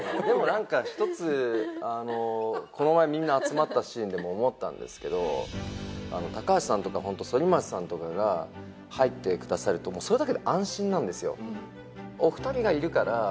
なんか一つこの前みんな集まったシーンでも思ったんですけど高橋さんとか反町さんとかが入ってくださるとそれだけで安心なんですよ